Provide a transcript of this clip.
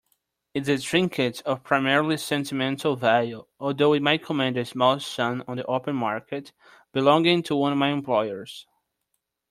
It's a trinket of primarily sentimental value, although it might command a small sum on the open market, belonging to one of my employers.